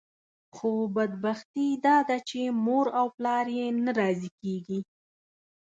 خو بدبختي داده چې مور او پلار یې نه راضي کېږي.